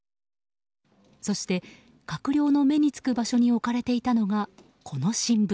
そして、閣僚の目に付く場所に置かれていたのがこの新聞。